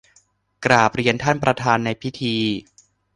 กราบเรียนท่านประธานในพิธี